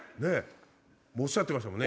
おっしゃってましたもんね。